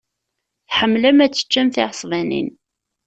Tḥemmlem ad teččem tiɛesbanin.